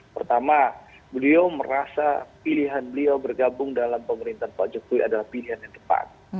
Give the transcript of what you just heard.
pertama beliau merasa pilihan beliau bergabung dalam pemerintahan pak jokowi adalah pilihan yang tepat